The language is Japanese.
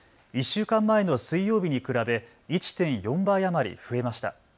１週間前の水曜日に比べ１．４倍余り増えました。